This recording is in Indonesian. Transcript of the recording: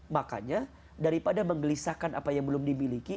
makanya daripada menggelisahkan apa yang belum dimiliki